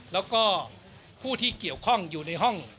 แล้วก็ผู้ที่เกี่ยวข้องอยู่ในห้อง